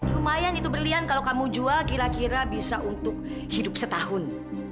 lumayan itu berlian kalau kamu jual kira kira bisa untuk hidup setahun